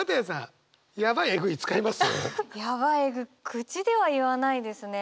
口では言わないですね。